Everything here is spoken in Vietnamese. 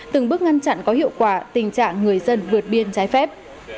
từng bước ngăn chặn có hiệu quả tình trạng người dân vượt biên trái phép